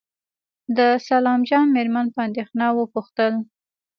د سلام جان مېرمن په اندېښنه وپوښتل.